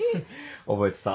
覚えてた？